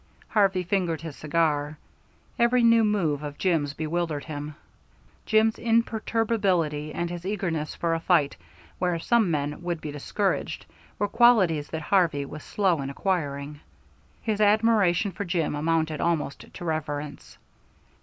Harvey fingered his cigar. Every new move of Jim's bewildered him. Jim's imperturbability, and his eagerness for a fight where some men would be discouraged, were qualities that Harvey was slow in acquiring. His admiration for Jim amounted almost to reverence.